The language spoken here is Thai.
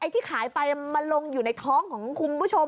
ที่ขายไปมันลงอยู่ในท้องของคุณผู้ชม